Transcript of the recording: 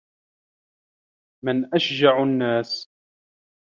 مَنْ أَشْجَعُ النَّاسِ